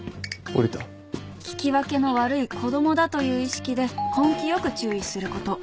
［聞き分けの悪い子供だという意識で根気よく注意すること］